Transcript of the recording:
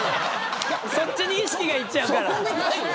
そっちに意識がいっちゃうから。